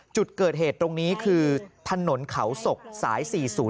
จุดเกิดเหตุตรงนี้คือถนนเขาศกสาย๔๐